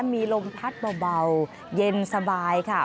มีลมพัดเบาเย็นสบายค่ะ